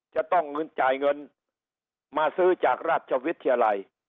จะต้องเงินจ่ายเงินมาซื้อจากราชวิทยาลัย